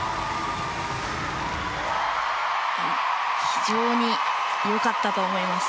非常に良かったと思います。